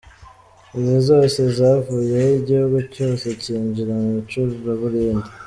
Izi zose zavuyeho, igihugu cyose cyinjira mu icuraburindi.